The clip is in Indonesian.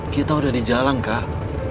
kita udah di jalan kah